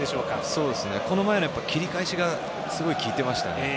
その前の切り返しがすごい効いていましたね。